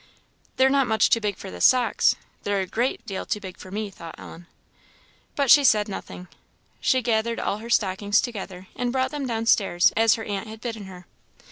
"They're not much too big for the socks they're a great deal too big for me," thought Ellen. But she said nothing. She gathered all her stockings together and brought them down stairs, as her aunt had bidden her.